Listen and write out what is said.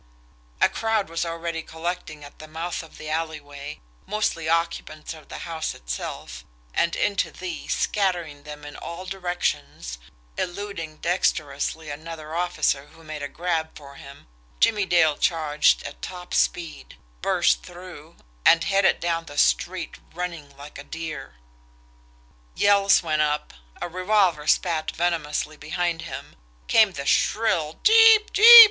A crowd was already collecting at the mouth of the alleyway, mostly occupants of the house itself, and into these, scattering them in all directions, eluding dexterously another officer who made a grab for him, Jimmie Dale charged at top speed, burst through, and headed down the street, running like a deer. Yells went up, a revolver spat venomously behind him, came the shrill CHEEP CHEEP!